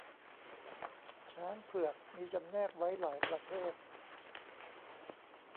ช้างเผือกมีจำแนกไว้หลายประเภท